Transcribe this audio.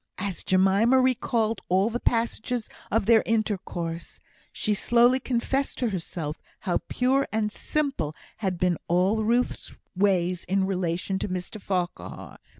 As Jemima recalled all the passages of their intercourse, she slowly confessed to herself how pure and simple had been all Ruth's ways in relation to Mr Farquhar.